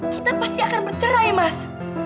kita pasti akan bercerai mas